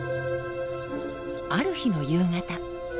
ある日の夕方。